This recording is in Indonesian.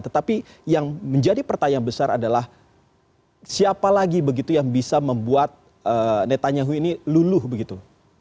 tetapi yang menjadi pertanyaan besar adalah siapa lagi begitu yang bisa membuat netanyahu ini luluh begitu